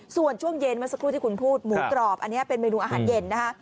ส่วนช่วงเย็นเมื่อสักครู่ที่คุณพูดหมูกรอบอันนี้เป็นเมนูอาหารเย็นนะคะ